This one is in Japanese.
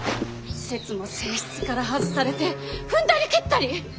せつも正室から外されて踏んだり蹴ったり！